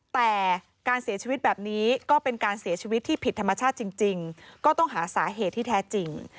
แต่การเสียชีวิตแบบนี้ก็เป็นการเสียชีวิตที่ผิดธรรมชาติจริงก็ต้องหาสาเหตุที่แท้จริง